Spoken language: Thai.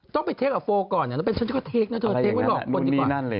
ต้องไปเทคกับโฟลก่อนแล้วเป็นฉันก็เทคนะเธอเทคไว้หลอกคนดีกว่า